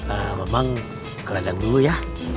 eee memang ke ladang dulu ya